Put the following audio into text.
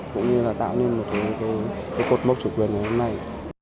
cũng như là tạo nên một cái cột mốc chủ quyền như thế này